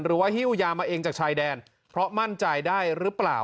ฮิ้วยามาเองจากชายแดนเพราะมั่นใจได้หรือเปล่า